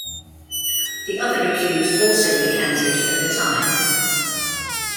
The other accused also recanted for the time.